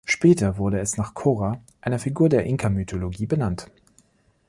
Später wurde es nach Cora, einer Figur in der Inka-Mythologie, benannt.